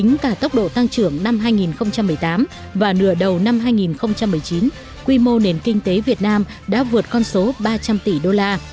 năm hai nghìn một mươi tám và nửa đầu năm hai nghìn một mươi chín quy mô nền kinh tế việt nam đã vượt con số ba trăm linh tỷ đô la